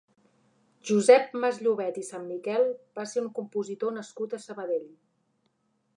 Josep Masllovet i Sanmiquel va ser un compositor nascut a Sabadell.